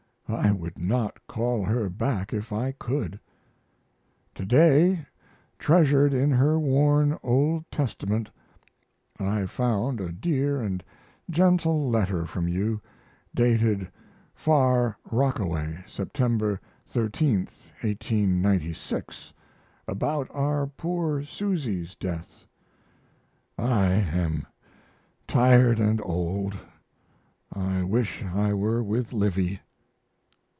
I would not call her back if I could. To day, treasured in her worn, old Testament, I found a dear & gentle letter from you dated Far Rockaway, September 13, 1896, about our poor Susy's death. I am tired & old; I wish I were with Livy.